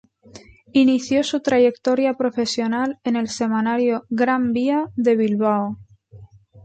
Inició su trayectoria profesional en el semanario "Gran Vía" de Bilbao.